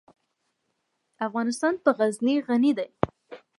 افغانستان په غزني غني دی.